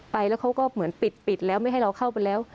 ไปแล้วเขาก็เหมือนปิดแล้วไม่ให้เราเข้าไปแล้ว